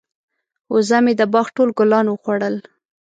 وزه مې د باغ ټول ګلان وخوړل.